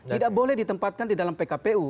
tidak boleh ditempatkan di dalam pkpu